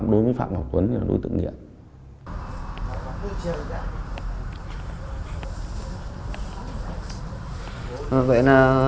đúng mặc áo như thế này